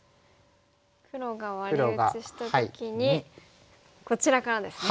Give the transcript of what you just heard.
黒がワリ打ちした時にこちらからですね。